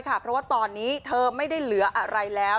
เพราะว่าตอนนี้เธอไม่ได้เหลืออะไรแล้ว